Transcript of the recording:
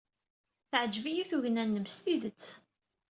Teɛjeb-iyi tugna-nnem s tidet.